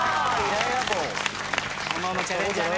『炎のチャレンジャー』ね。